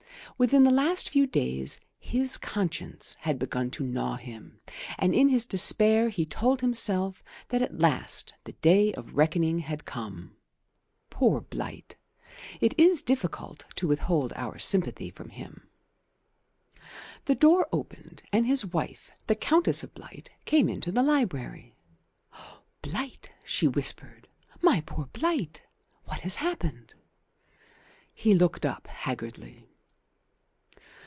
Within the last few days his conscience had begun to gnaw him, and in his despair he told himself that at last the day of reckoning had come. Poor Blight! It is difficult to withhold our sympathy from him. The door opened, and his wife, the Countess of Blight, came into the library. "Blight!" she whispered. "My poor Blight! What has happened?" He looked up haggardly.